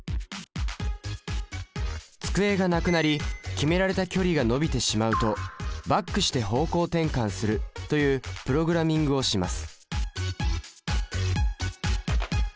机がなくなり決められた距離が伸びてしまうと「バックして方向転換する」というプログラミングをします。